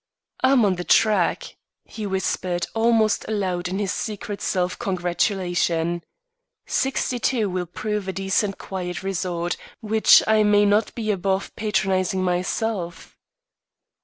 "I'm on the track," he whispered almost aloud in his secret self congratulation. "Sixty two will prove a decent quiet resort which I may not be above patronising myself."